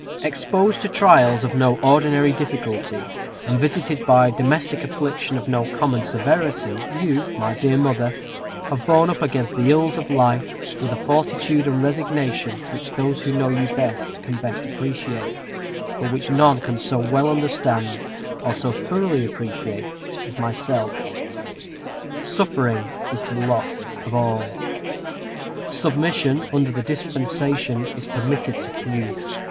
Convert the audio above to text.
Exposed to trials of no ordinary difficulty, and visited by domestic affliction of no common severity, you, my dear Mother, have borne up against the ills of life with a fortitude and resignation which those who know you best can best appreciate, but which none can so well understand, or so thoroughly appreciate, as myself. Suffering is the lot of all. Submission under the dispensation is permitted to few.